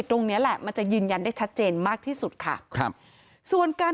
ตรงนี้แหละมันจะยืนยันได้ชัดเจนมากที่สุดค่ะครับส่วนการ